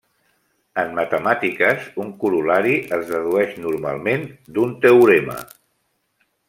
En matemàtiques un corol·lari es dedueix normalment d'un teorema.